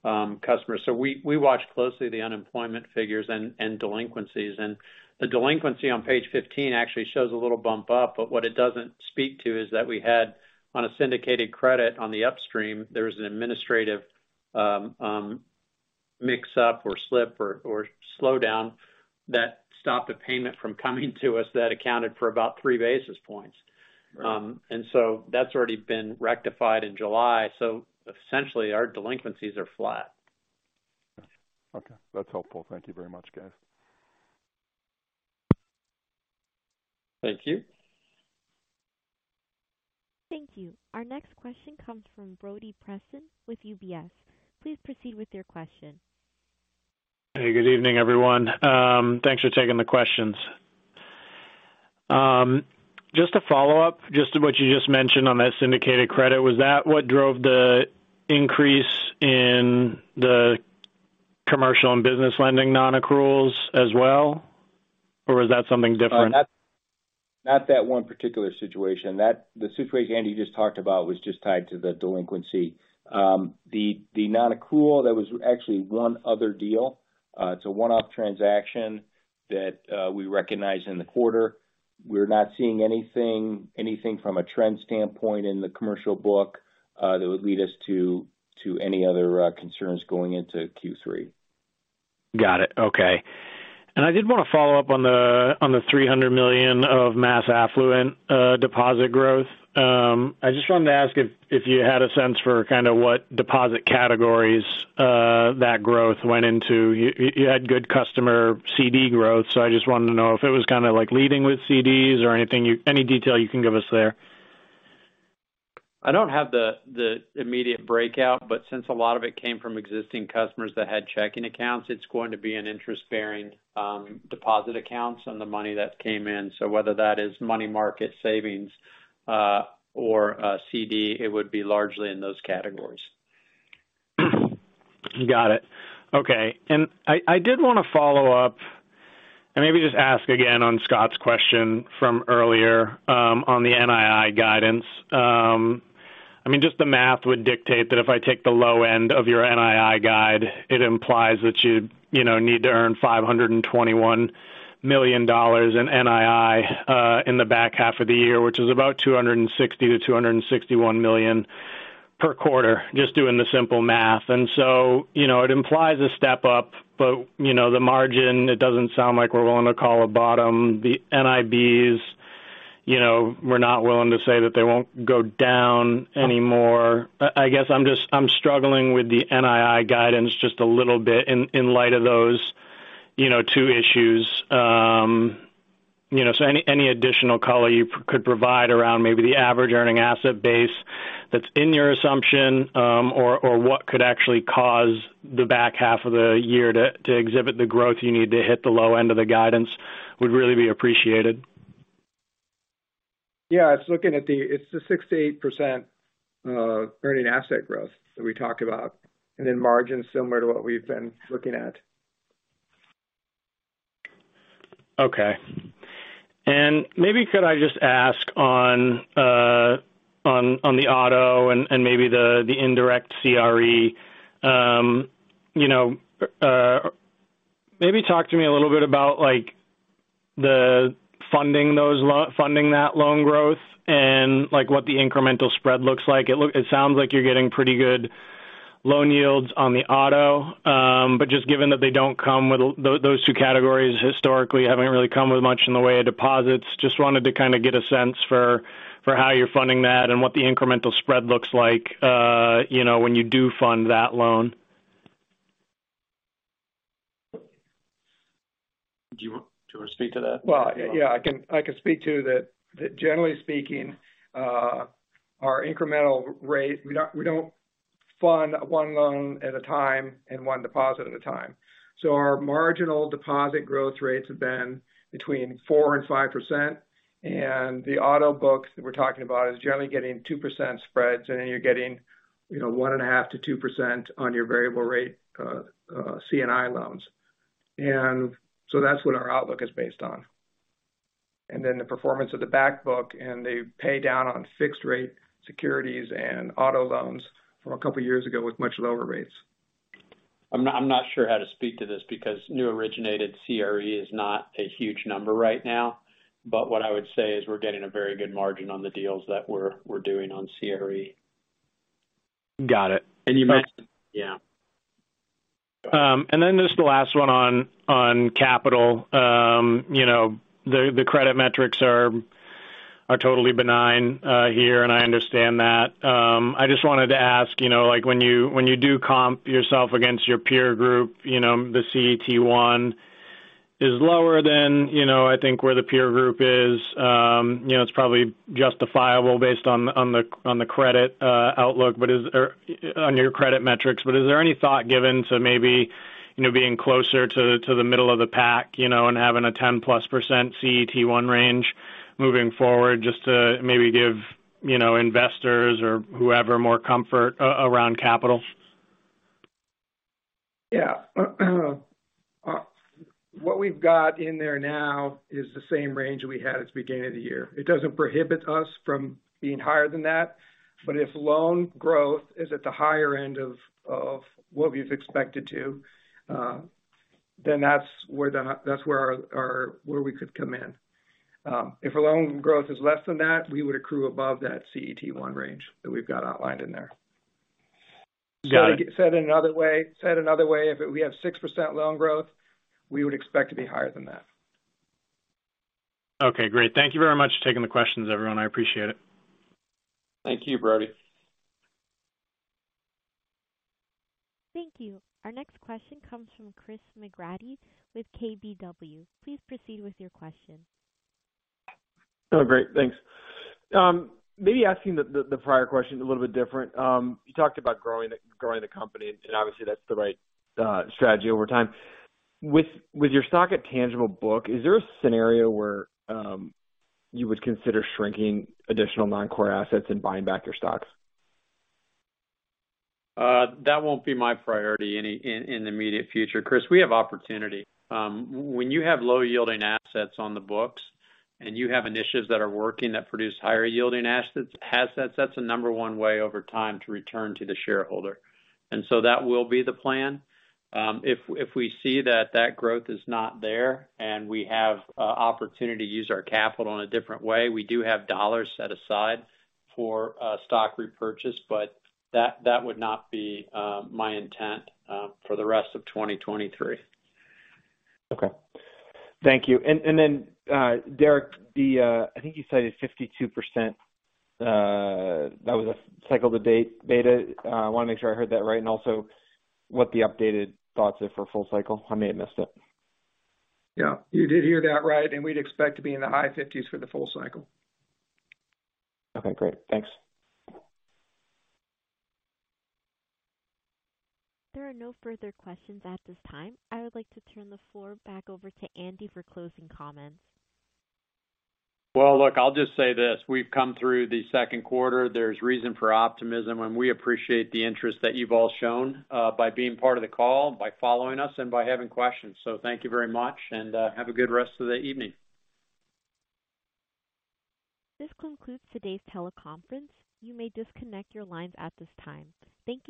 B: customers. We watch closely the unemployment figures and delinquencies. The delinquency on page 15 actually shows a little bump up, but what it doesn't speak to is that we had on a syndicated credit on the upstream, there was an administrative mix-up or slip or slowdown that stopped a payment from coming to us that accounted for about 3 basis points.
D: Right.
B: That's already been rectified in July, so essentially, our delinquencies are flat.
I: Okay. That's helpful. Thank you very much, guys.
D: Thank you.
A: Thank you. Our next question comes from Brody Preston with UBS. Please proceed with your question.
J: Hey, good evening, everyone. Thanks for taking the questions. Just a follow-up, just to what you just mentioned on that syndicated credit. Was that what drove the increase in the commercial and business lending nonaccruals as well, or was that something different?
D: Not that one particular situation. The situation Andy just talked about was just tied to the delinquency. The nonaccrual, that was actually one other deal. It's a one-off transaction that we recognized in the quarter. We're not seeing anything from a trend standpoint in the commercial book that would lead us to any other concerns going into Q3.
J: Got it. Okay. I did want to follow up on the $300 million of mass affluent deposit growth. I just wanted to ask if you had a sense for kind of what deposit categories that growth went into. You had good customer CD growth, so I just wanted to know if it was kind of like leading with CDs or any detail you can give us there.
B: I don't have the immediate breakout. Since a lot of it came from existing customers that had checking accounts, it's going to be an interest-bearing deposit accounts on the money that came in. Whether that is money market savings or a CD, it would be largely in those categories.
J: You got it. Okay, I did want to follow up and maybe just ask again on Scott's question from earlier on the NII guidance. I mean, just the math would dictate that if I take the low end of your NII guide, it implies that you know, need to earn $521 million in NII in the back half of the year, which is about $260 million-$261 million per quarter, just doing the simple math. You know, it implies a step up, but, you know, the margin, it doesn't sound like we're willing to call a bottom. The NIBs, you know, we're not willing to say that they won't go down anymore. I guess I'm struggling with the NII guidance just a little bit in light of those, you know, two issues. You know, any additional color you could provide around maybe the average earning asset base that's in your assumption, or what could actually cause the back half of the year to exhibit the growth you need to hit the low end of the guidance, would really be appreciated.
C: It's the 68% earning asset growth that we talked about and then margins similar to what we've been looking at.
J: Okay. Maybe could I just ask on the auto and maybe the indirect CRE. You know, maybe talk to me a little bit about, like, the funding that loan growth and, like, what the incremental spread looks like. It sounds like you're getting pretty good loan yields on the auto, just given that they don't come with, those two categories historically haven't really come with much in the way of deposits. Just wanted to kind of get a sense for how you're funding that and what the incremental spread looks like, you know, when you do fund that loan.
B: Do you want to speak to that?
C: Well, yeah, I can speak to that. Generally speaking, our incremental rate, we don't fund one loan at a time and one deposit at a time. Our marginal deposit growth rates have been between 4% and 5%, and the Auto book that we're talking about is generally getting 2% spreads, then you're getting, you know, 1.5% to 2% on your variable rate, C&I loans. That's what our outlook is based on. Then the performance of the back book and the pay down on fixed rate securities and Auto loans from a couple years ago with much lower rates.
B: I'm not sure how to speak to this because new originated CRE is not a huge number right now, but what I would say is we're getting a very good margin on the deals that we're doing on CRE.
J: Got it.
B: You yeah.
J: Just the last one on capital. You know, the credit metrics are totally benign here, and I understand that. I just wanted to ask, you know, like, when you, when you do comp yourself against your peer group, you know, the CET1 is lower than, you know, I think, where the peer group is. You know, it's probably justifiable based on the credit outlook, but is... Or on your credit metrics. Is there any thought given to maybe, you know, being closer to the middle of the pack, you know, and having a 10+% CET1 range moving forward, just to maybe give, you know, investors or whoever, more comfort around capital?
C: Yeah. What we've got in there now is the same range we had at the beginning of the year. It doesn't prohibit us from being higher than that, if loan growth is at the higher end of what we've expected to, that's where our where we could come in. If our loan growth is less than that, we would accrue above that CET1 range that we've got outlined in there.
J: Got it.
C: Said in another way, if we have 6% loan growth, we would expect to be higher than that.
J: Okay, great. Thank you very much for taking the questions, everyone. I appreciate it.
B: Thank you, Brody.
A: Thank you. Our next question comes from Chris McGratty with KBW. Please proceed with your question.
K: Oh, great, thanks. maybe asking the prior question a little bit different. you talked about growing the company, obviously that's the right, strategy over time. With your stock at tangible book, is there a scenario where, you would consider shrinking additional non-core assets and buying back your stocks?
B: That won't be my priority in the immediate future, Chris. We have opportunity. When you have low-yielding assets on the books and you have initiatives that are working that produce higher-yielding assets, that's a number one way over time to return to the shareholder. That will be the plan. If we see that that growth is not there and we have opportunity to use our capital in a different way, we do have dollars set aside for stock repurchase, but that would not be my intent for the rest of 2023.
K: Okay. Thank you. Derek, I think you cited 52%, that was a cycle-to-date beta. I want to make sure I heard that right, and also what the updated thoughts are for full cycle. I may have missed it.
C: Yeah, you did hear that right, and we'd expect to be in the high fifties for the full cycle.
K: Okay, great. Thanks.
A: There are no further questions at this time. I would like to turn the floor back over to Andy for closing comments.
B: Well, look, I'll just say this: We've come through the second quarter. There's reason for optimism, we appreciate the interest that you've all shown by being part of the call, by following us, and by having questions. Thank you very much, and have a good rest of the evening.
A: This concludes today's teleconference. You may disconnect your lines at this time. Thank you.